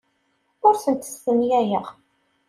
Ur tent-stenyayeɣ.